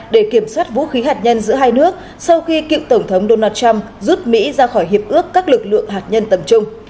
để kiểm soát vũ khí hạt nhân giữa hai nước sau khi cựu tổng thống donald trump rút mỹ ra khỏi hiệp ước các lực lượng hạt nhân tầm trung